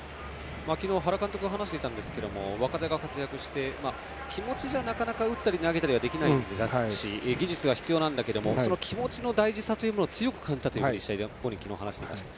昨日、原監督が話していたんですが若手が活躍して気持ちじゃなかなか打ったり、投げたりはできないだろうし技術も必要なんだけどその気持ちの大事さを強く感じたと試合後に話していました。